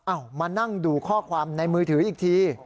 มานั่งดูข้อความในมือถืออีกที